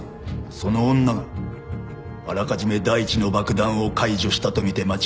その女があらかじめ第１の爆弾を解除したとみて間違いない。